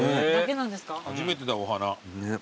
初めてだお花。